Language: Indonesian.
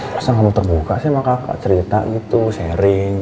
masa kamu terbuka sih sama kakak cerita gitu sharing